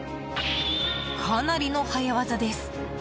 かなりの早技です。